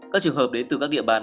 các trường hợp đến từ các địa bàn